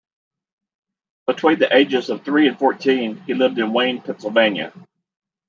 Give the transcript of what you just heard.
Between the ages of three and fourteen, he lived in Wayne, Pennsylvania.